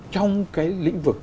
trong cái lĩnh vực